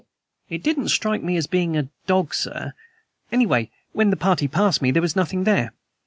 "It didn't strike me as being a dog, sir. Anyway, when the party passed me, there was nothing there.